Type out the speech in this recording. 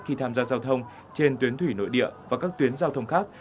khi tham gia giao thông trên tuyến thủy nội địa và các tuyến giao thông khác